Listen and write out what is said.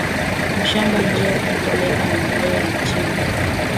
Mashamba njo iko leta maendeleo ya inchi